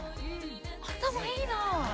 頭いいなあ。